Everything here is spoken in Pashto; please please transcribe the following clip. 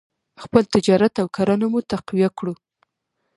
خپل تجارت او کرنه مو تقویه کړو.